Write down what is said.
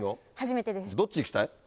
どっち行きたい？